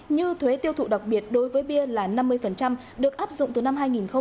như thuế tiêu thụ đặc biệt đối với bia là năm mươi được áp dụng từ năm hai nghìn một mươi sáu